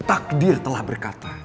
takdir telah berkata